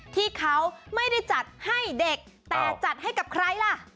ที่เขาไม่ได้จัดให้เด็กแต่จัดให้กับใครล่ะ